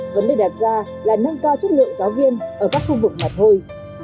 vấn đề đạt ra là nâng cao chất lượng giáo viên ở các khu vực mặt hôi